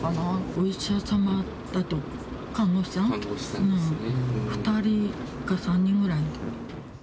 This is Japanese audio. お医者様とあと看護師さん、２人か３人ぐらい。